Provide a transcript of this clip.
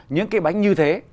những cái bánh như thế